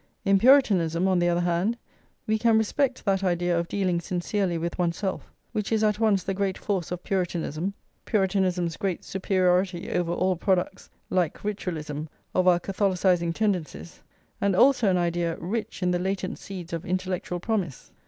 In Puritanism, on the other hand, we can respect that idea of dealing sincerely with oneself, which is at once the great force of Puritanism, Puritanism's great superiority over all products, like ritualism, of our Catholicising tendencies, and also an idea rich in the latent seeds of intellectual promise.